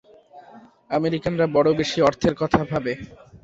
আমেরিকানরা বড় বেশী অর্থের কথা ভাবে।